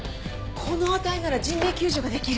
この値なら人命救助ができる。